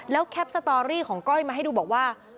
แคปสตอรี่ของก้อยมาให้ดูบอกว่า